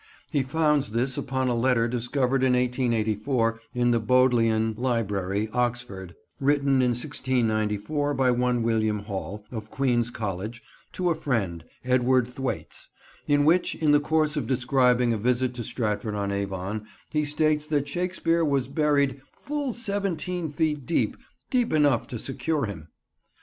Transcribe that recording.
He founds this upon a letter discovered in 1884 in the Bodleian Library, Oxford, written in 1694 by one William Hall, of Queen's College, to a friend, Edward Thwaites; in which, in the course of describing a visit to Stratford on Avon, he states that Shakespeare was buried "full seventeen feet deep—deep enough to secure him!"